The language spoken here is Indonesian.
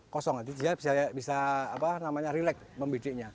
kosong jadi dia bisa relax memidiknya